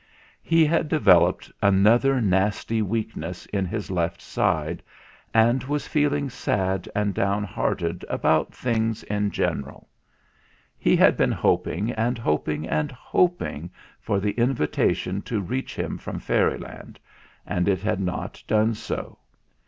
He had developed another nasty weakness in his left side, and was feeling sad and down hearted about things in general. He had been hoping and hoping and hoping for the invita tion to reach him from Fairyland, and it had not done so.